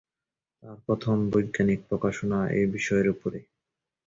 তার প্রথম বৈজ্ঞানিক প্রকাশনা এই বিষয়ের উপরে।